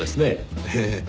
ええ。